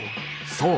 そう！